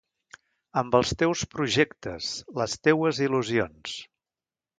Amb els teus projectes, les teues il·lusions.